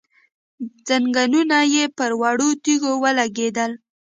ځنګنونه يې پر وړو تيږو ولګېدل،